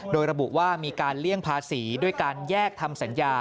โดยระบุว่ามีการเลี่ยงภาษีด้วยการแยกทำสัญญา